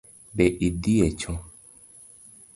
Be idhi e choo?